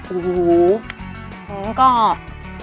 อูหูอื้มกรอบ